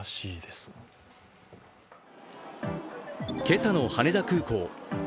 今朝の羽田空港。